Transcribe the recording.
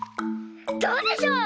どうでしょう？